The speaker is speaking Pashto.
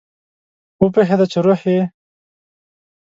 وپوهیده چې روح یې